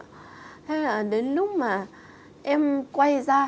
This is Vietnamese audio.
thế là đến lúc mà em quay ra